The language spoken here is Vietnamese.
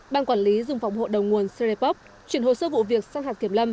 bang quản lý dùng phòng hộ đồng nguồn seripop chuyển hồ sơ vụ việc sang hạt kiểm lâm